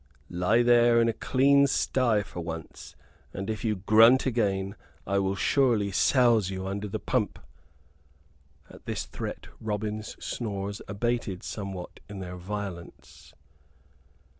"Lie there in a clean sty for once; and if you grunt again I will surely souse you under the pump!" At this threat Robin's snores abated somewhat in their violence.